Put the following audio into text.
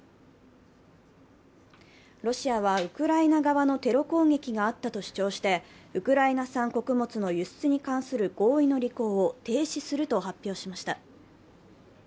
ロシアはウクライナ側のテロ攻撃があったと主張してウクライナ産穀物の輸出に関する合意の履行を停止すると発表しました。